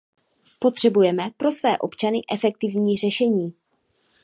Potřebujeme pro své občany efektivní řešení.